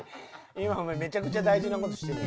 今もめちゃくちゃ大事な事してるわ。